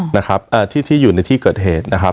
นะครับอ่าที่ที่อยู่ในที่เกิดเหตุนะครับ